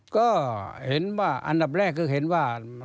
ก็เห็นว่าอันดับแรกคือเห็นว่า